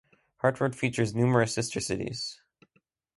Hartford features numerous sister cities.